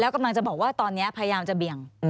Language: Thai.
กำลังจะบอกว่าตอนนี้พยายามจะเบี่ยง